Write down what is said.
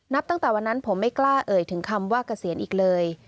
ตั้งแต่วันนั้นผมไม่กล้าเอ่ยถึงคำว่าเกษียณอีกเลย